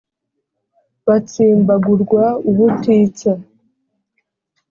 batsibagurwa ubutitsa